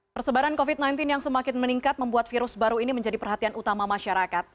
persebaran covid sembilan belas yang semakin meningkat membuat virus baru ini menjadi perhatian utama masyarakat